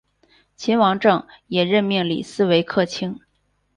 秦王政也任命李斯为客卿。